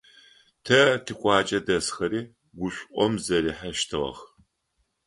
Тэ тикъуаджэ дэсхэри гушӀом зэрихьэщтыгъэх.